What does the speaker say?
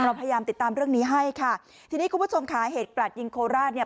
เราพยายามติดตามเรื่องนี้ให้ค่ะทีนี้คุณผู้ชมค่ะเหตุกลาดยิงโคราชเนี่ย